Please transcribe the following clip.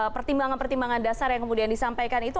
pertimbangan pertimbangan dasar yang kemudian disampaikan itu